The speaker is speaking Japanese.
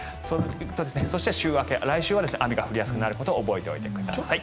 そして週明け、来週は雨が降りやすくなること覚えておいてください。